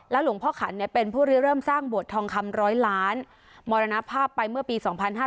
แล้วหลวงพ่อขันเป็นผู้เริ่มสร้างบททองคำร้อยล้านมรณภาพไปเมื่อปี๒๕๓๔